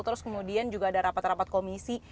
terus kemudian juga ada rapat rapat komisi